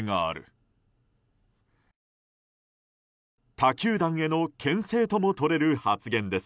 他球団への牽制ともとれる発言です。